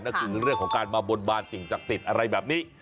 อีกหนึ่งเรื่องของการมาบนบานสิ่งจักษิตอะไรแบบนี้